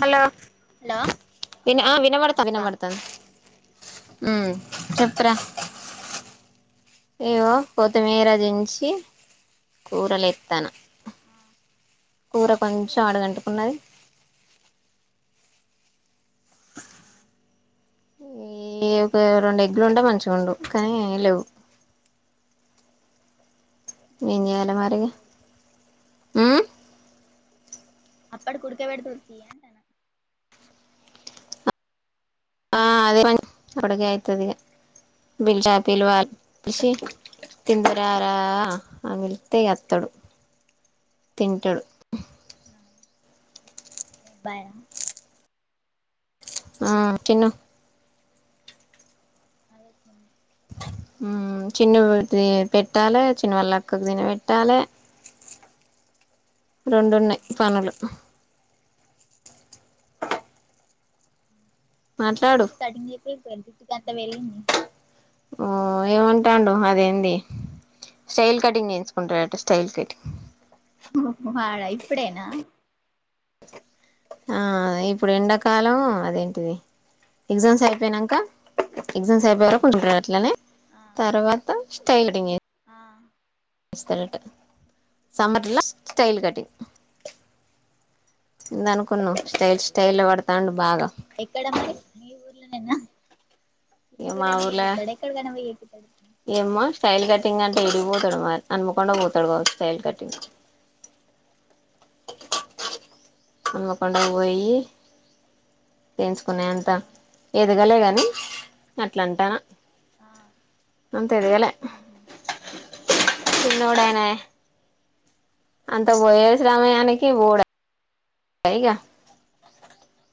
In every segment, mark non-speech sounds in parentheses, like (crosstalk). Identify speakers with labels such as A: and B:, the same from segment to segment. A: Hello
B: hello
A: విన్ ఆ వినబడతా వినబడతా ఉమ్ చెప్పురా
B: నేన్ చెప్తాను
A: ఏవో కొతిమీరజించి కూరలో ఎత్తన
B: ఆ
A: కూర
B: ఏం కూర
A: కొంచెం అడుగంటుకున్నది
B: ఆ
A: ఈ ఒక రెండు ఎగ్గులు ఉంటే మంచిగా ఉండు కానీ ఏ లేవు ఏం చేయాలి మరి మ్
B: అప్పడు కుడుక పెడితుడు తీయంటాన
A: ఆ అదే అడిక అయితది బిడ్డా అని పిలవాలి అని పిలిస్తే తిందువు రారా అని పిలిస్తే వత్తడు తింటాడు
B: బా
A: ఆ తిను
B: అదే చిన్న
A: మ్ చిన్న పెట్టాలి చిన్న వాళ్ళక్క తిన పెట్టాలి
B: ఆ
A: రెండున్నాయి పనులు మాట్లాడు
B: చిన్న మ కటి (unintelligible)
A: ఆ ఏమంటాండు అదేంది స్టైల్ కటింగ్ చేయించుకుంటాడంట స్టైల్ కటింగ్
B: వాాడా ఇప్పుడేనా
A: ఆ ఇప్పుడు ఎండాకాలం అదేంటిది ఎగ్జామ్స్ అయిపోయినాక ఎగ్జామ్స్ అయిపోయే వరకు ఉంటారు అట్లనే
B: ఆ
A: తర్వాత స్టైల్ కటింగ్
B: ఆ
A: అంట సమ్మర్ ల స్టైల్ కటింగ్ అనుకున్నా స్టైల్ స్టైల్ పడతాండు బాగా
B: ఎక్కడ మరి మీ ఊరు ఇనా
A: ఇగ మా ఊర్ల
B: (unintelligible)
A: ఏమో స్టైల్ కటింగ్ అంటే ఈడికి పోతాడు హన్మకొండ కి పోతాడు సైల్ కటింగ్ ఆ కొండకు
B: కావచ్చు
A: పోయి
B: మరి
A: పెంచుకున్నా అంత
B: ఆ
A: ఎదగలేగాని మ్ అట్ల అంటానా
B: ఆ
A: ఇంకా ఇవ్వలే చిన్నోదయనే అంత వోయేశ రామయానికి బోడ క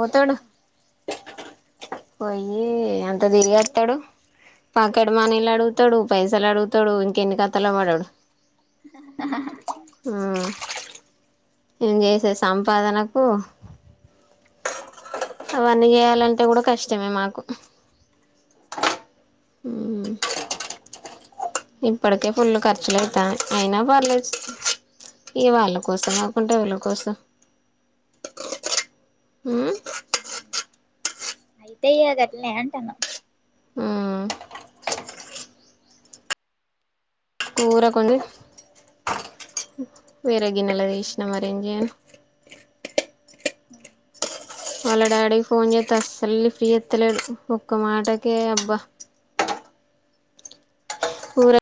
B: పోయే
A: పోయిి అంత తిరిగి వస్తాడు పాకెట్ మానీలు అడుగుతాడు పైసలు అడుగుతాడు ఇంకెన్ని కతాలు పడాడు ఏం చేసే సంపాదనకుయూ అవన్నీ చేయాలంటే కూడా కష్టమే మాకు ఇప్పటికే ఫుల్లు ఖర్చులువుతాను అయినా పర్లేదు ఇవాళ కోసం కాకుంటే వీళ్ళ
B: అయితే
A: కోసం మ్
B: అయితే అ గట్నే అంటాన్నా
A: మ్మ్ ఊర కొండ వేరే గిన్నెలది ఇచ్చిన మరి ఏం
B: అయ్యో
A: చేయను వాళ్ళ డాడీకి ఫోన్ చేస్త అస్సలు లిఫ్ట్ జేత్తలేడు ఒక్క మాటకే అబ్బా
B: ఎందుకు
A: ఊర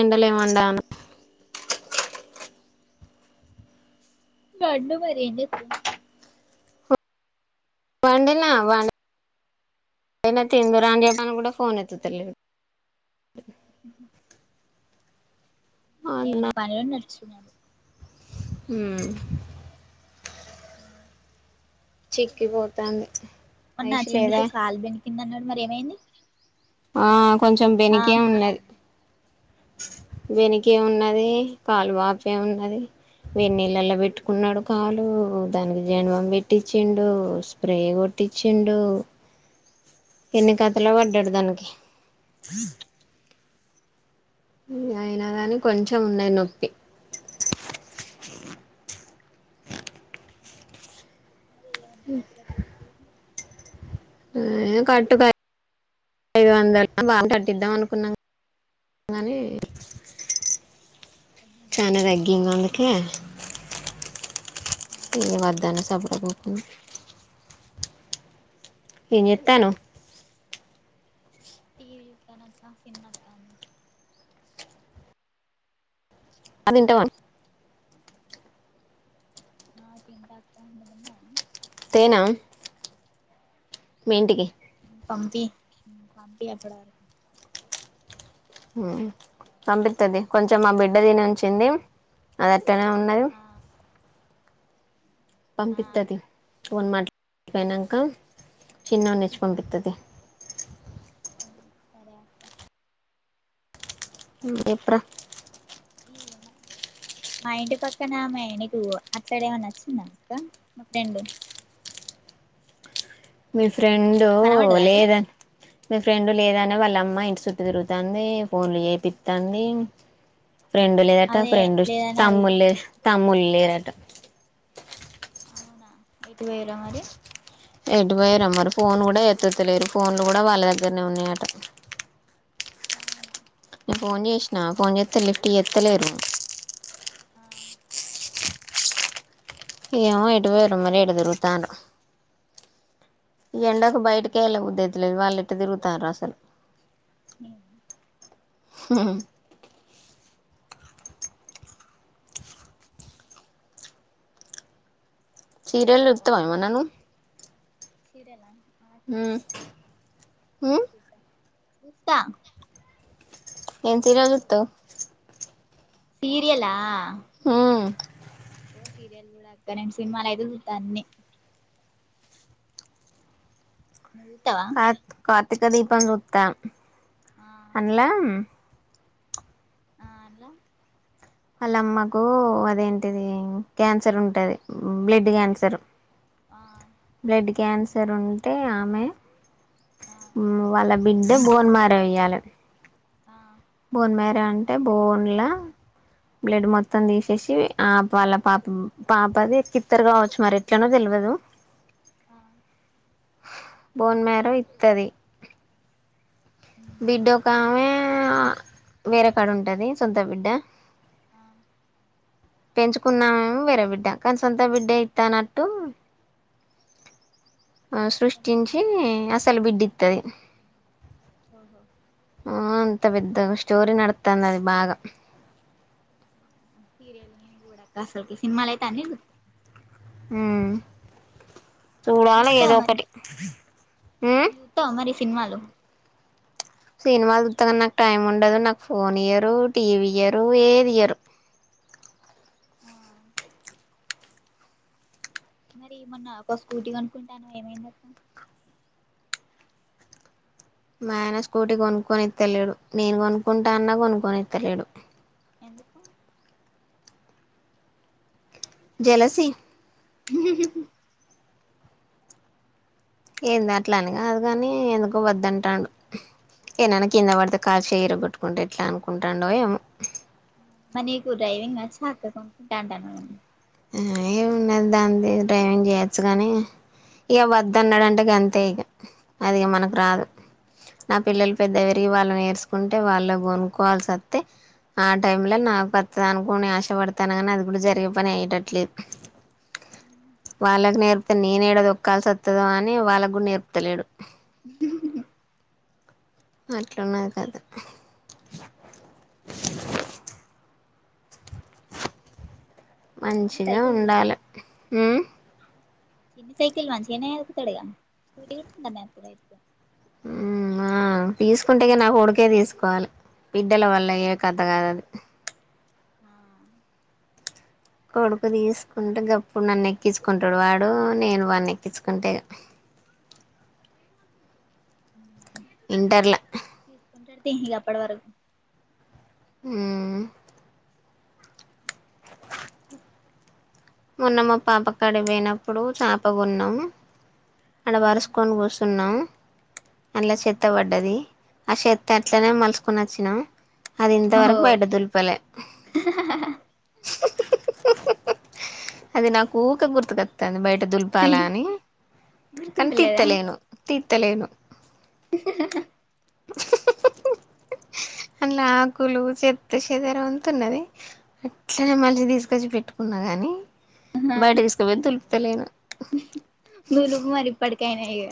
A: ఎండల మొందా
B: వాడ్లు మరిేడి తూ
A: వండినా వా తిందురా అని జెప్పినా కూడా ఫోన్ ఎట్టుటలేదు
B: (inaudible) ఏన పనిలోడి నడుచు
A: ఉ
B: అ
A: చిక్కిపోతాను
B: మొన్న చిన్నకు కాల్ బె కింద అన్నాడు మరి ఏమైంది
A: ఆ కొంచెం
B: ఆ
A: వెనకే ఉన్నది బెనికే ఉన్నది కాలు వాపే ఉన్నది వేన్నీళ్ళల్లో పెట్టుకున్నాడు కాలు దానికి జీనబం పెట్టించిండు స్ప్రే కొట్టించిండు ఇంకా చల
B: ఆ
A: బడ్డడు దనికి అయినా గాని కొంచెం ఉన్నాయి నొప్పి
B: న్నా కట్ క
A: ఉ కట్టుకు ఐదు వందలు బాగా కట్టిద్దాం అనుకున్నాం కానీ చానా తగ్గీంగా క
B: ఆ
A: ధన్వాద్దాను సబ అగకు ఏం జేత్తానవ్
B: టీవీ జూత్తాన్నక్క సినిమా అత్తంది
A: అదింటావా
B: ఆ తిన్న అక్క నువ్ తిన్నావా
A: తేనా మింటికి
B: పంపి పంపి అప్పుడ
A: పంపిస్తుది కొంచెం మా బిడ్డదిని ఉంచింది అది ఎక్కడనే ఉన్నారు
B: ఆ ఆ
A: పంపిస్తది ఫోన్ మాట్ పోయింనక చిన్నోన్నిచ్చి పంపిత్త తీ
B: సరే అక్క
A: ఉ జెప్పు రా
B: మా ఇంటి పక్కన ఆమె నీకు అట్లాడేమన్నా నచ్చిందాక్క మా రెండు
A: మీ ఫ్రెండ్
B: కనబడ్డదా అటు
A: లేద ఫ్రెండ్ లేదనే వాళ్ళ అమ్మ ఇంటి చుట్టూ తిరుగుతుంది ఫోన్లు చేపిస్తుంది ఫ్రెండు లేదట
B: అదే
A: ఫ్రెండు
B: లేదని అడుగుతాను
A: తమ్ములే తమ్ముళ్ క్లిర్
B: అవునా ఎటువైరా మరి
A: ఎడిపోయారమ్మరి ఫోన్ కూడా ఎత్త్తలేరు ఫోన్లు కూడా వాళ్ళ దగ్గరనే ఉన్నాయట
B: అవునా
A: ఫోన్ చేసినా ఫోన్ చేస్త లిఫ్ట్ చే ఎత్తలే
B: ఆ
A: ఏ ఇటు పోయి ర మరిే ఎడుతురుతా ఈ ఎండడా ఒక బయటక వెళ్ళద్దదుది ఇట్ లేదు వాళ్ళు ఇట్టే తిరుగుతారు అసలు
B: అ
A: హా సీరియల్ ఉత్తమ మనను
B: సర అలా ఆ ముప్ప
A: ఉమ్
B: చద్ద కుస్త
A: ఏంత తీర గుట్
B: సీరియలా
A: ఆ
B: ఓ సీరియల్ కూడాక్కండి సినిమాాలతే తన్నన్ని వెళ్తవా
A: కదిీపం గుత అనలా
B: ఆ అలా
A: వాళ్ళమ్మకు అదేంటిది క్యాన్సర్ ఉంటది బ్లడ్ క్యాన్సర్
B: అయ్యో ఆ
A: బ్లడ్ క్యాన్సర్ ఉంటే ఆమె
B: ఆ
A: వాళ్ళ బిడ్ బోన్ మర వయ్యాలి
B: ఆ
A: బోన్ మేరే అంటే బోన్ల బ్లడ్ మొత్తం తీసేసి ఆ వాళ్ళ పాప పాపది కిత్తరు కావచ్చు మరి ఎట్లనో తెలియదు
B: ఆ
A: బోన్మేర ఇతది
B: మ్
A: బడో కావే ఆ వేరే కాడ ఉంటది సొంత బిడ్డ
B: ఆ
A: పెంచుకున్నామేం వేరే బిడ్డ కానీ సొంత బిడ్డ ఇస్తానట్టు ఆ
B: గట్లా
A: సృష్టించి అసలు బిడ్డిస్తుది
B: ఓహో
A: ఆ అంత బద్ద స్టోరీ నడతాంది అది బాగా
B: సీరియల్ నే జూడక్క అసలుకి సినిమాలైతే అన్నీ జూత్త
A: మ్మ్ చూడాల
B: నువ్వు చూత్తవా
A: ఏదో
B: మరి
A: ఒకటి హ్మ్
B: సిన్మాలు
A: సిన్మాలు తూత్త గానీ నాకు టైం ఉండదు నాకు ఫోన్ ఇయ్యరు టీవీ ఇయ్యరు ఏది ఇయ్యరు
B: ఆ మరి మొన్న ఒక స్కూటీ కొనుకుంటానవ్ ఏమైందక్క
A: మా ఆయన స్కూటీ కొనుక్కొనిత్తలేడు నేను కొనుక్కుంటా అన్నా కొనుక్కొనిత్తలేడు
B: ఎందుకు
A: జెలసీ ఏందట్లాని కాదు కాని ఎందుకో వద్దంటాండు, ఏనైనా కింద పడితే కాలుచేయ్ ఇరగొట్టుకుంటే ఎట్లా అనుకుంటాండో ఏమో.
B: మరి నీకు డ్రైవింగ్ వచ్చాక్క కొనుక్కుంటా అంటానవు గానీ
A: ఏమ్ ఉన్నది దాంది డ్రైవింగ్ జేయొచ్చు కానీ ఇగ వద్దన్నాడంటే గంతే ఇగ అదిగ మనకు రాదు నా పిల్లలు పెద్దగ వెరిగి వాళ్ళు నేరు చుకుంటే వాళ్ళ గొనుకోవాల్సి వత్తె ఆ టైమ్ లో నాకు వత్తది అనుకోని ఆశపడతాను గానీ, అది కూడా జరిగే పని అయ్యేట ట్లే వాల్లకి
B: అయితదిలే
A: నేర్తితే నేనేడ దొక్కాల్సి వత్తది తథా అని వాళ్ళకి గుడ నేర్పుతలేడు అట్లున్నది కథ
B: చిన్న
A: మంచిగా
B: సైకిల్
A: ఉండాలే ఊ
B: చిన్ని సైకిల్ మంచిగానే తొక్కుతాడుగా స్కూటీగుడ (unintelligible) తాడు అయితే
A: హ్మ్ ఆ తీసుకుంటేగినా నా కొడుకే తీసుకోవలే బిడ్డల
B: ఆ
A: వల్ల అయ్యే కథ కాదు అది
B: ఆ
A: కొడుకు తీసుకుంటే గప్పుడు నన్ను ఎక్కించుకుంటాడు వాడు నేను వాన్ని ఎక్కించుకుంటే
B: హ్మ్
A: ఇంటర్ల
B: కొంటడ్తీ ఇగ అప్పటి వరకు
A: ఊ మొన్న మా పాప కాటికీ పోయినప్పుడు చాప కొన్నాం అడ
B: ఆ
A: బరుసుకొని కూర్చున్నాం అండ్లా
B: ఆ
A: చెత్త బడ్డది ఆ చెత్త
B: ఆ
A: అట్లనే మలుచుకొని వొచ్చినాం అది
B: ఓహో
A: ఇంతవరకు బయట దులపలే అది నాకు ఊకే గుర్తుకొత్తాంది బయట దుల్పాలని
B: గుర్తుంటలేదా
A: కన్‌తిత్తలేను తీర్తలేను అందులో ఆకులు చెత్త చెదరవంతున్నది అట్లనే మళ్ళి తీసుకొచ్చి పెట్టుకున్నా గాని బయటికి తీస్కోబోయి దులుపు తెలీదు
B: గులు మరి ఇప్పటికైనా ఇక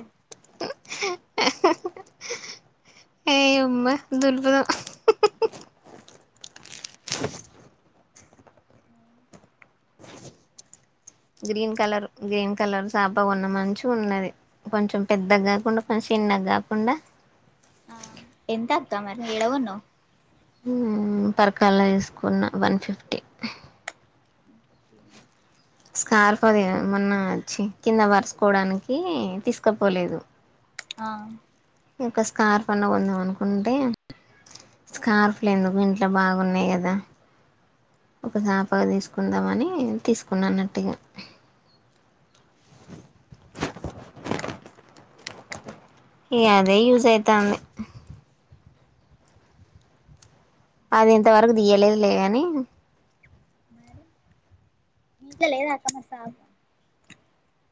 A: ఏ ఉమ్మ దుర్భద గ్రీన్ కలర్ గ్రీన్ కలర్ చాప ఉన్న మంచి ఉన్నది కొంచెం పెద్ద కాకుండా కొంచెం చిన్న కాకుండా
B: ఆ ఎంతక్క మరి ఏడ కొన్నావ్
A: పరకాల వేసుకున్న వన్ ఫిఫ్టీ
B: ఓకే అండి
A: స్కార్ఫోదిమొన్నా వచ్చి కింద పరచకోవడానికి తీసుకపోలేదు
B: ఆ
A: యొక్క స్కార్ఫ అన్న కొందాం అనుకుంటే స్కార్ఫలు ఎందుకు ఇంట్లో ఇ బాగున్నాయి కదా ఒక చపగా తీసుకుందామని తీసుకున్నాన్నట్టుగా ఇ అదే యూజ్ అయితాంది అది ఇంతవరకు తీయలేదు లే కాని
B: రి మీకా లే ఏదా అక్క మ సా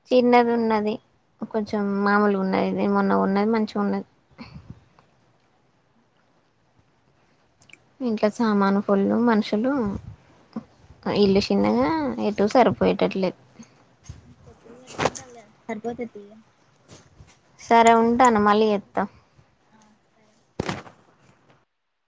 A: చిన్నది ఉన్నది కొంచెం మామూలుగా ఉన్నదిది మొన్న కోన్నది మంచిగా ఉన్నది ఇంట్లో సామాను పళ్ళు మనుషులు ఇల్లు చిన్నగా ఎ అట్టటు సరిపోయేటట్లేదు
B: పొత్తులు కట్టుకుంటారులే సరిపోతది తీయ
A: సరే ఉంటాను మళ్ళీ చేత్తా
B: ఆ సరే